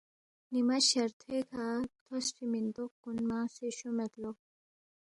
نیما شرتھوئیکہ تھوسفی میندوق کُن مانگسے شوم مید لو۔